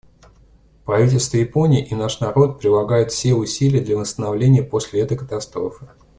Правительство Японии и наш народ прилагают все усилия для восстановления после этой катастрофы.